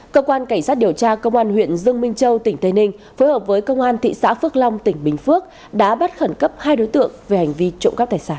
cơ quan cảnh sát điều tra công an huyện dương minh châu tỉnh tây ninh phối hợp với công an thị xã phước long tỉnh bình phước đã bắt khẩn cấp hai đối tượng về hành vi trộm cắp tài sản